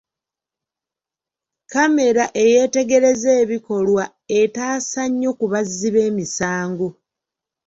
Kkamera eyeetegereza ebikolwa etaasa nnyo ku bazzi b'emisango.